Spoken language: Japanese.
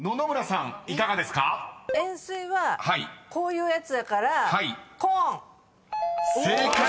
円錐はこういうやつやから「コーン」［正解！